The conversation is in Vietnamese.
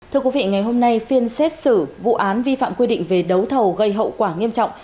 thưa quý vị ngày hôm nay phiên xét xử vụ án vi phạm quy định về đấu thầu gây hậu quả nghiêm trọng